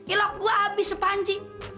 ilok gua habis sepanji